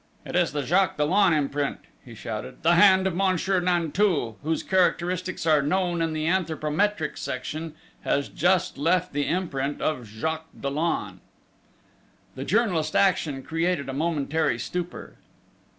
"It is the Jacques Dollon imprint!" he shouted. "_The hand of Monsieur Nanteuil, whose characteristics are known in the anthropometric section, has just left the imprint of Jacques Dollon!..._" The journalist's action created a momentary stupour!